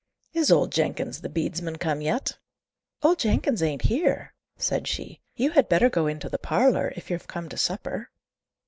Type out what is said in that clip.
"Is old Jenkins the bedesman come yet?" "Old Jenkins ain't here," said she. "You had better go into the parlour, if you're come to supper."